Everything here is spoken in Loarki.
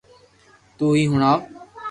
تو ھي ھڻاو